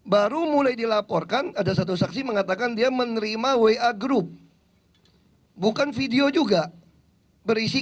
baru mulai dilaporkan ada satu saksi mengatakan dia menerima wa group bukan video juga berisi